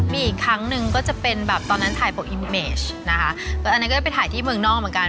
มีอีกครั้งหนึ่งก็จะเป็นแบบตอนนั้นถ่ายปกอีมิเมจนะคะตอนนั้นก็จะไปถ่ายที่เมืองนอกเหมือนกัน